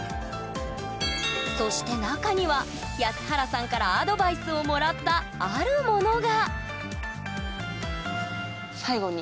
そして中には安原さんからアドバイスをもらったあるものが！